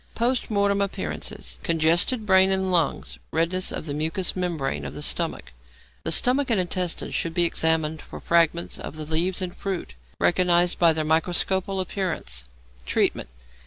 Post Mortem Appearances. Congested brain and lungs; redness of the mucous membrane of the stomach. The stomach and intestines should be examined for fragments of the leaves and fruit, recognized by their microscopical appearances. _Treatment.